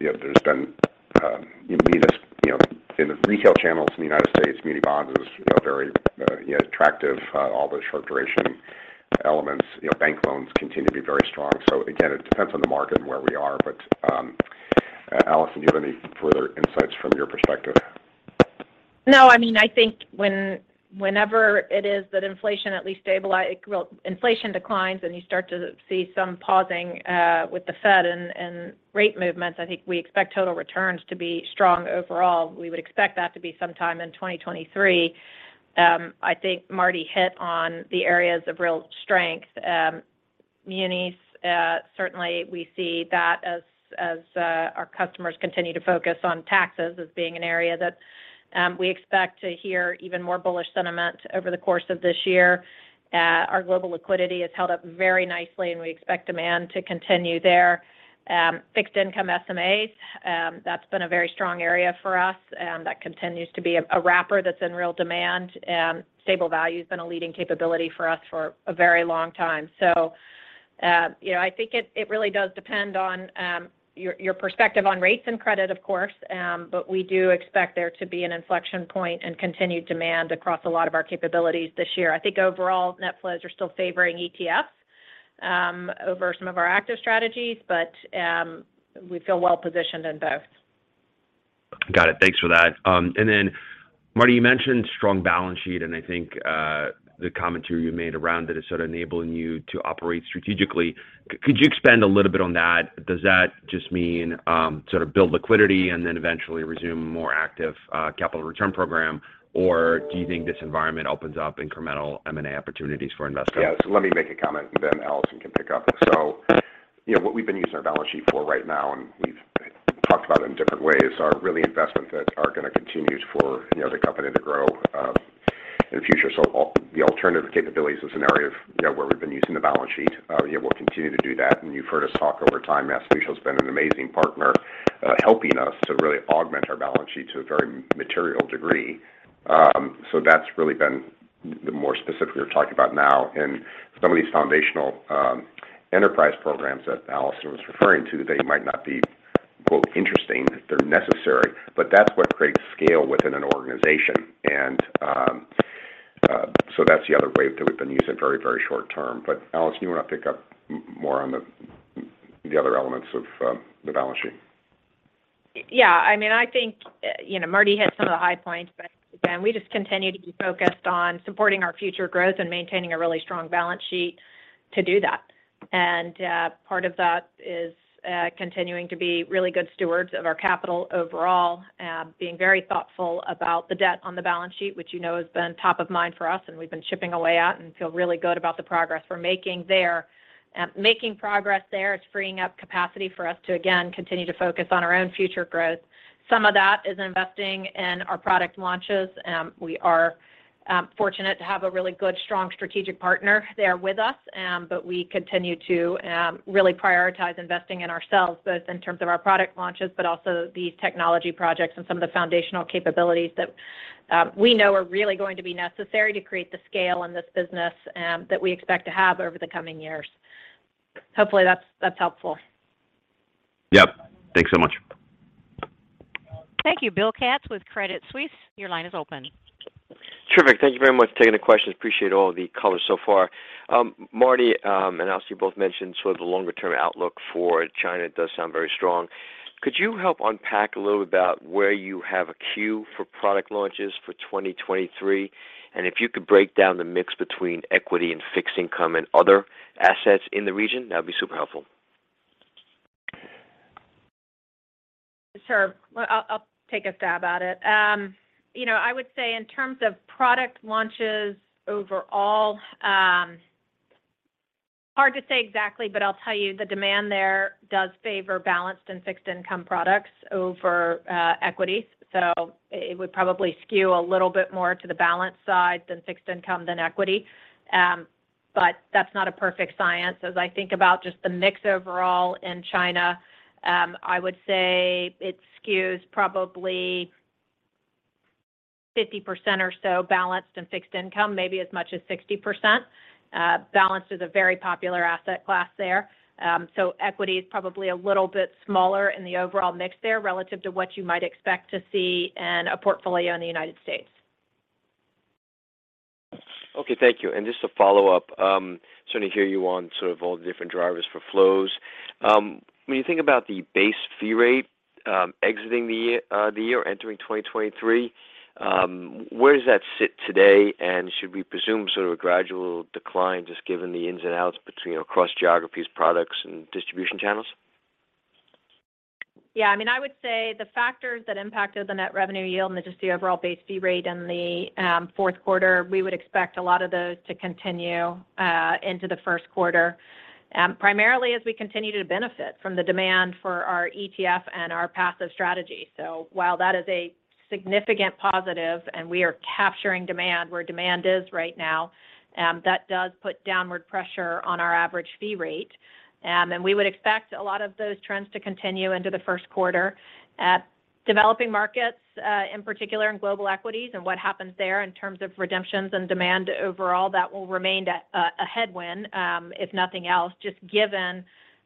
You know, there's been munis, you know, in the retail channels in the United States, muni bonds is, you know, very, you know, attractive. All the short duration elements, you know, bank loans continue to be very strong. Again, it depends on the market and where we are. But, Allison, do you have any further insights from your perspective? I mean, I think when, whenever it is that inflation at least well, inflation declines, and you start to see some pausing with the Fed and rate movements, I think we expect total returns to be strong overall. We would expect that to be sometime in 2023. I think Marty hit on the areas of real strength. Munis, certainly we see that as our customers continue to focus on taxes as being an area that we expect to hear even more bullish sentiment over the course of this year. Our Global Liquidity has held up very nicely, and we expect demand to continue there. Fixed income SMAs, that's been a very strong area for us, that continues to be a wrapper that's in real demand. Stable value's been a leading capability for us for a very long time. You know, I think it really does depend on your perspective on rates and credit, of course. We do expect there to be an inflection point and continued demand across a lot of our capabilities this year. I think overall, net flows are still favoring ETFs over some of our active strategies, we feel well-positioned in both. Got it. Thanks for that. Then Marty, you mentioned strong balance sheet, and I think the commentary you made around it is sort of enabling you to operate strategically. Could you expand a little bit on that? Does that just mean, sort of build liquidity and then eventually resume more active capital return program? Do you think this environment opens up incremental M&A opportunities for Invesco? Let me make a comment, and then Allison can pick up. You know, what we've been using our balance sheet for right now, and we've talked about it in different ways, are really investments that are going to continue for, you know, the company to grow in the future. The alternative capabilities is an area of, you know, where we've been using the balance sheet. Yeah, we'll continue to do that. You've heard us talk over time, MassMutual's been an amazing partner, helping us to really augment our balance sheet to a very material degree. That's really been the more specific we were talking about now. Some of these foundational, enterprise programs that Allison was referring to, they might not be, quote, "interesting," they're necessary, but that's what creates scale within an organization. That's the other way that we've been using very, very short term. Allison, you want to pick up more on the other elements of the balance sheet? Yeah, I mean, I think, you know, Marty hit some of the high points, but again, we just continue to be focused on supporting our future growth and maintaining a really strong balance sheet to do that. Part of that is, continuing to be really good stewards of our capital overall, being very thoughtful about the debt on the balance sheet, which you know has been top of mind for us, and we've been chipping away at and feel really good about the progress we're making there. It's freeing up capacity for us to, again, continue to focus on our own future growth. Some of that is investing in our product launches. We are fortunate to have a really good, strong strategic partner there with us, but we continue to really prioritize investing in ourselves, both in terms of our product launches, but also these technology projects and some of the foundational capabilities that we know are really going to be necessary to create the scale in this business that we expect to have over the coming years. Hopefully that's helpful. Yep. Thanks so much. Thank you. Bill Katz with Credit Suisse, your line is open. Terrific. Thank you very much for taking the questions. Appreciate all the color so far. Marty and Allison, you both mentioned sort of the longer-term outlook for China does sound very strong. Could you help unpack a little about where you have a queue for product launches for 2023? If you could break down the mix between equity and fixed income and other assets in the region, that would be super helpful. Sure. Well, I'll take a stab at it. you know, I would say in terms of product launches overall, hard to say exactly, but I'll tell you the demand there does favor balanced and fixed income products over equity. It would probably skew a little bit more to the balanced side than fixed income than equity. That's not a perfect science. As I think about just the mix overall in China, I would say it skews probably 50% or so balanced and fixed income, maybe as much as 60%. Balanced is a very popular asset class there. Equity is probably a little bit smaller in the overall mix there relative to what you might expect to see in a portfolio in the United States. Okay. Thank you. Just to follow up, certainly hear you on sort of all the different drivers for flows. When you think about the base fee rate, exiting the year, entering 2023, where does that sit today? Should we presume sort of a gradual decline just given the ins and outs between across geographies, products, and distribution channels? Yeah, I mean, I would say the factors that impacted the net revenue yield and just the overall base fee rate in the fourth quarter, we would expect a lot of those to continue into the first quarter. Primarily as we continue to benefit from the demand for our ETF and our passive strategy. While that is a significant positive and we are capturing demand where demand is right now, that does put downward pressure on our average fee rate. We would expect a lot of those trends to continue into the first quarter. Developing markets, in particular in global equities and what happens there in terms of redemptions and demand overall, that will remain a headwind, if nothing else, just given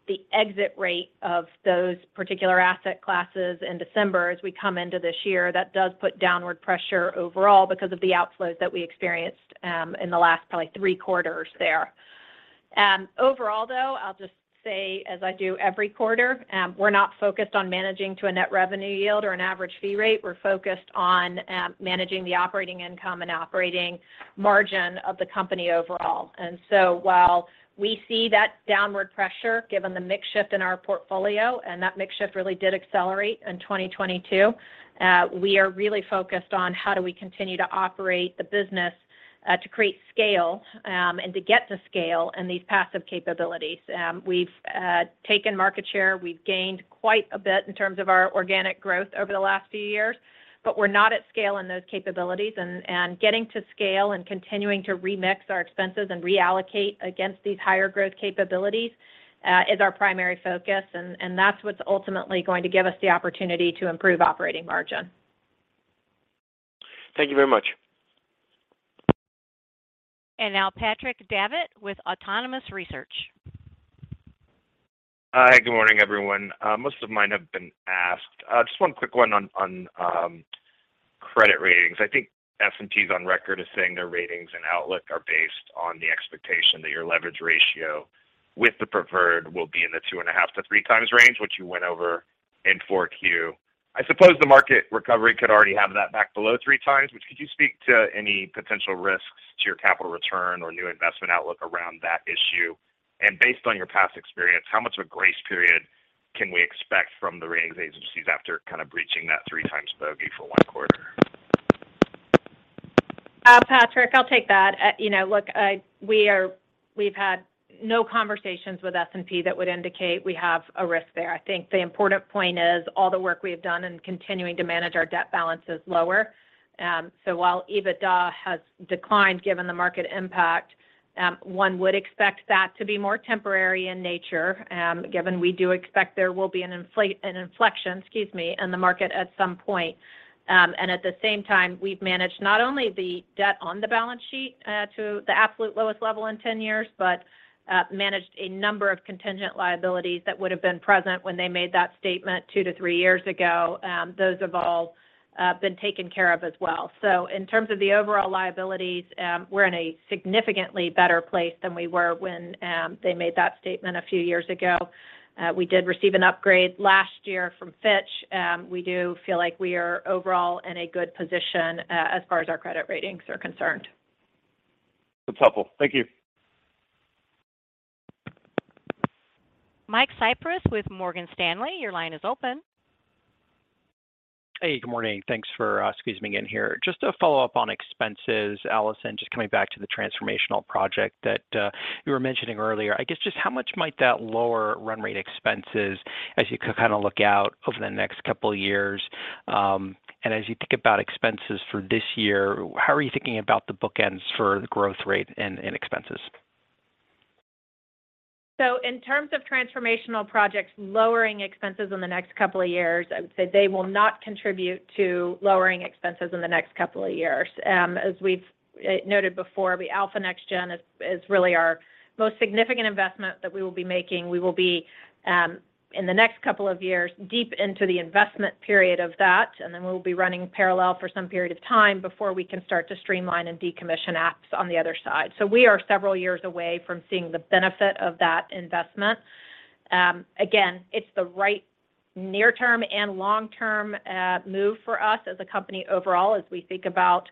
the exit rate of those particular asset classes in December as we come into this year. That does put downward pressure overall because of the outflows that we experienced, in the last probably three quarters there. Overall, though, I'll just say, as I do every quarter, we're not focused on managing to a net revenue yield or an average fee rate. We're focused on managing the operating income and operating margin of the company overall. While we see that downward pressure, given the mix shift in our portfolio, and that mix shift really did accelerate in 2022, we are really focused on how do we continue to operate the business to create scale and to get to scale in these passive capabilities. We've taken market share. We've gained quite a bit in terms of our organic growth over the last few years, but we're not at scale in those capabilities and getting to scale and continuing to remix our expenses and reallocate against these higher growth capabilities, is our primary focus. That's what's ultimately going to give us the opportunity to improve operating margin. Thank you very much. Now Patrick Davitt with Autonomous Research. Hi, good morning, everyone. Most of mine have been asked. Just one quick one on credit ratings. I think S&P is on record as saying their ratings and outlook are based on the expectation that your leverage ratio with the preferred will be in the 2.5-3 times range, which you went over in 4Q. I suppose the market recovery could already have that back below 3 times, but could you speak to any potential risks to your capital return or new investment outlook around that issue? Based on your past experience, how much of a grace period can we expect from the ratings agencies after kind of breaching that 3 times bogey for one quarter? Patrick, I'll take that. You know, look, we've had no conversations with S&P that would indicate we have a risk there. I think the important point is all the work we have done in continuing to manage our debt balance is lower. While EBITDA has declined, given the market impact, one would expect that to be more temporary in nature, given we do expect there will be an inflection, excuse me, in the market at some point. At the same time, we've managed not only the debt on the balance sheet to the absolute lowest level in 10 years, but managed a number of contingent liabilities that would have been present when they made that statement 2-3 years ago. Those have all been taken care of as well. In terms of the overall liabilities, we're in a significantly better place than we were when they made that statement a few years ago. We did receive an upgrade last year from Fitch. We do feel like we are overall in a good position as far as our credit ratings are concerned. That's helpful. Thank you. Michael Cyprys with Morgan Stanley, your line is open. Hey, good morning. Thanks for squeezing me in here. Just a follow-up on expenses, Allison. Just coming back to the transformational project that you were mentioning earlier. I guess, just how much might that lower run rate expenses as you kind of look out over the next couple years? As you think about expenses for this year, how are you thinking about the bookends for the growth rate and expenses? In terms of transformational projects lowering expenses in the next couple of years, I would say they will not contribute to lowering expenses in the next couple of years. As we've noted before, the Alpha NextGen is really our most significant investment that we will be making. We will be in the next couple of years, deep into the investment period of that, and then we'll be running parallel for some period of time before we can start to streamline and decommission apps on the other side. We are several years away from seeing the benefit of that investment. Again, it's the right near-term and long-term move for us as a company overall as we think about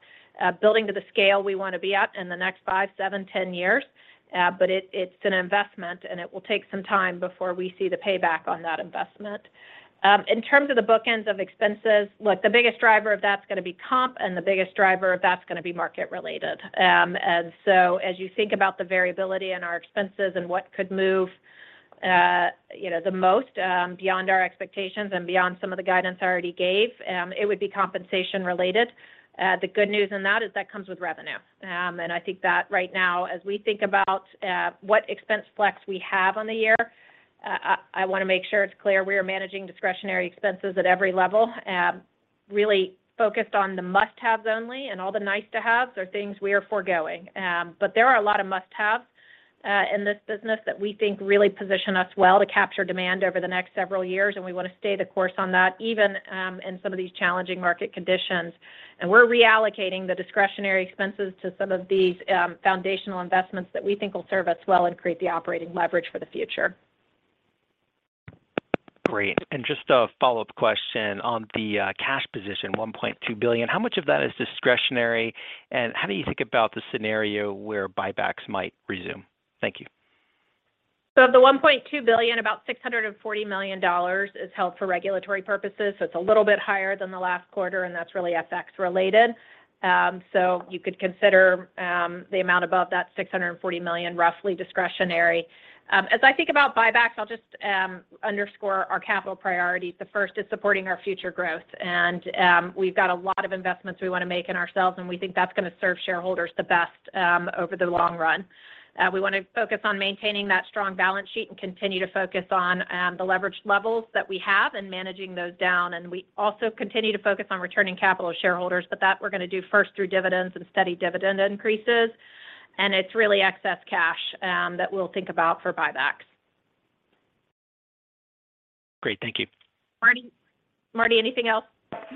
building to the scale we want to be at in the next 5, 7, 10 years. It's an investment, and it will take some time before we see the payback on that investment. In terms of the bookends of expenses, look, the biggest driver of that's going to be comp, and the biggest driver of that's going to be market related. As you think about the variability in our expenses and what could move, you know, the most, beyond our expectations and beyond some of the guidance I already gave, it would be compensation related. The good news in that is that comes with revenue. I think that right now as we think about, what expense flex we have on the year, I want to make sure it's clear we are managing discretionary expenses at every level. Really focused on the must-haves only, and all the nice-to-haves are things we are foregoing. There are a lot of must-haves, in this business that we think really position us well to capture demand over the next several years, and we want to stay the course on that even, in some of these challenging market conditions. We're reallocating the discretionary expenses to some of these, foundational investments that we think will serve us well and create the operating leverage for the future. Great. Just a follow-up question on the cash position, $1.2 billion. How much of that is discretionary, and how do you think about the scenario where buybacks might resume? Thank you. Of the $1.2 billion, about $640 million is held for regulatory purposes, so it's a little bit higher than the last quarter, and that's really FX related. You could consider the amount above that $640 million roughly discretionary. As I think about buybacks, I'll just underscore our capital priorities. The first is supporting our future growth. We've got a lot of investments we want to make in ourselves, and we think that's going to serve shareholders the best over the long run. We want to focus on maintaining that strong balance sheet and continue to focus on the leverage levels that we have and managing those down. We also continue to focus on returning capital to shareholders, but that we're going to do first through dividends and steady dividend increases. It's really excess cash, that we'll think about for buybacks. Great. Thank you. Marty? Marty, anything else?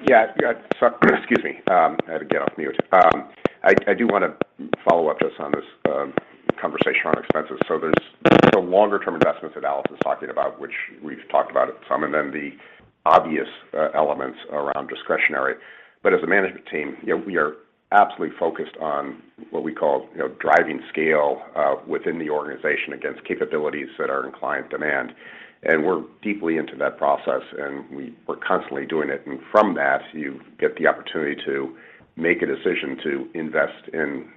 Yeah. Yeah, excuse me. I had to get off mute. I do want to follow up just on this conversation on expenses. There's the longer term investments that Allison's talking about, which we've talked about some, and then the obvious elements around discretionary. As a management team, you know, we are absolutely focused on what we call, you know, driving scale within the organization against capabilities that are in client demand. We're constantly doing it. From that, you get the opportunity to make a decision to invest in,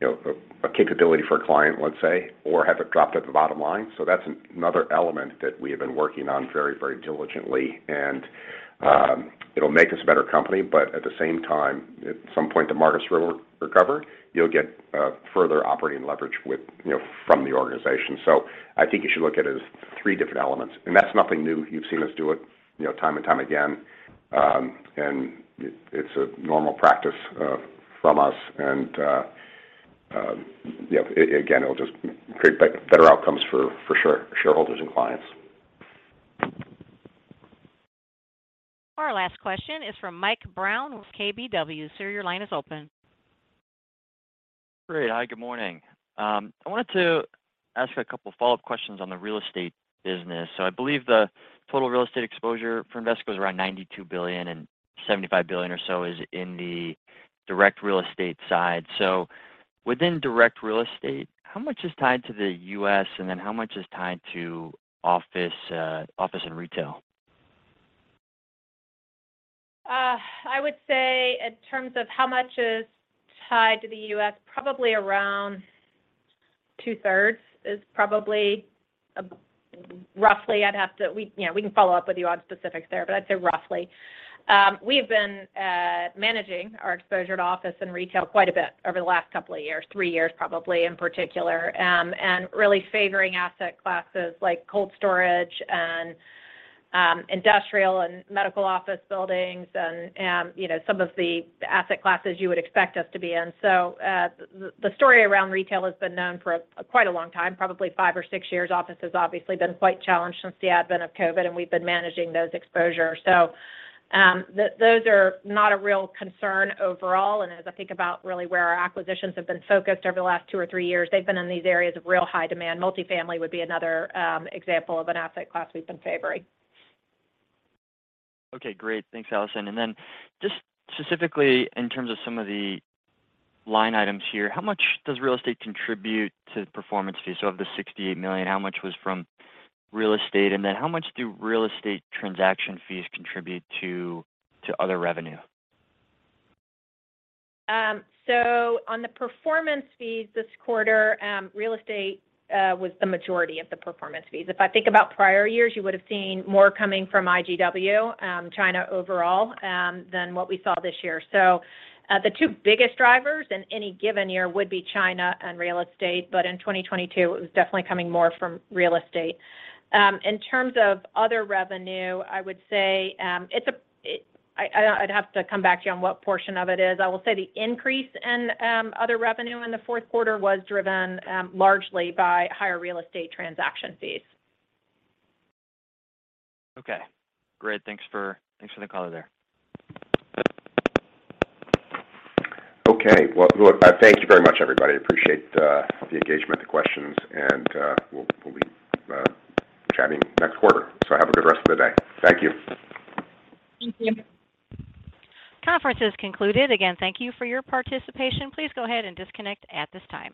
you know, a capability for a client, let's say, or have it drop to the bottom line. That's another element that we have been working on very, very diligently. It'll make us a better company, but at the same time, at some point, the markets will recover. You'll get further operating leverage with, you know, from the organization. I think you should look at it as three different elements. That's nothing new. You've seen us do it, you know, time and time again. It's a normal practice from us, and yeah, again, it'll just create better outcomes for sure, shareholders and clients. Our last question is from Mike Brown with KBW. Sir, your line is open. Great. Hi, good morning. I wanted to ask a couple follow-up questions on the real estate business. I believe the total real estate exposure for Invesco is around $92 billion, and $75 billion or so is in the direct real estate side. Within direct real estate, how much is tied to the U.S., and then how much is tied to office and retail? I would say in terms of how much is tied to the U.S., probably around two-thirds is probably roughly I'd have to. We, you know, we can follow up with you on specifics there, but I'd say roughly. We have been managing our exposure to office and retail quite a bit over the last two years, three years probably in particular, and really favoring asset classes like cold storage and industrial and medical office buildings and, you know, some of the asset classes you would expect us to be in. The story around retail has been known for quite a long time, probably five or six years. Office has obviously been quite challenged since the advent of COVID, and we've been managing those exposures. Those are not a real concern overall. As I think about really where our acquisitions have been focused over the last two or three years, they've been in these areas of real high demand. Multifamily would be another example of an asset class we've been favoring. Okay, great. Thanks, Allison. Just specifically in terms of some of the line items here, how much does real estate contribute to the performance fee? Of the $68 million, how much was from real estate? How much do real estate transaction fees contribute to other revenue? On the performance fees this quarter, real estate was the majority of the performance fees. If I think about prior years, you would've seen more coming from IGW, China overall, than what we saw this year. The two biggest drivers in any given year would be China and real estate. In 2022, it was definitely coming more from real estate. In terms of other revenue, I would say, I'd have to come back to you on what portion of it is. I will say the increase in other revenue in the fourth quarter was driven largely by higher real estate transaction fees. Okay, great. Thanks for the color there. Okay. Well, look, thank you very much, everybody. Appreciate the engagement, the questions, and we'll be chatting next quarter. Have a good rest of the day. Thank you. Thank you. Conference is concluded. Again, thank you for your participation. Please go ahead and disconnect at this time.